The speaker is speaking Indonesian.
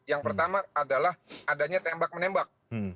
yang pertama adalah adanya tembak menembak